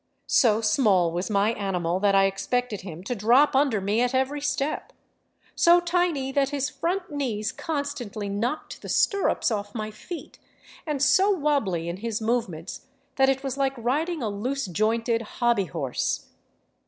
So small was my animal that I expected him to drop under me at every step, so tiny that his front knees constantly knocked the stirrups off my feet, and so wobbly in his movements that it was like riding a loose jointed hobby horse.